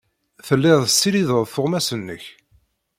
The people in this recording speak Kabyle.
Telliḍ tessirideḍ tuɣmas-nnek.